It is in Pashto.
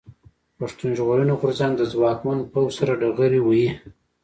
پښتون ژغورني غورځنګ د ځواکمن پوځ سره ډغرې وهي.